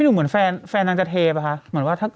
เหมือนแฟนนางจาเทปะคะ